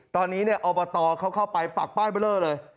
ตอนนี้เนี่ยอบตเขาเข้าไปปลักป้ายเบอร์เร้อเลย